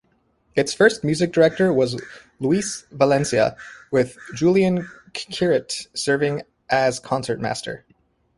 Its first music director was Luis Valencia, with Julian Quirit serving as concertmaster.